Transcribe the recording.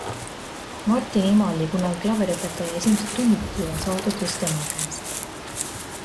Martini ema oli kunagi klaveriõpetaja esimesed tunnidki on saadud just tema käest.